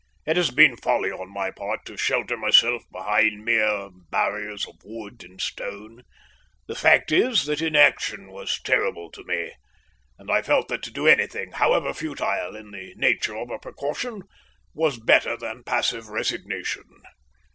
It has been folly on my part to shelter myself behind mere barriers of wood and stone. The fact is, that inaction was terrible to me, and I felt that to do anything, however futile, in the nature of a precaution, was better than passive resignation.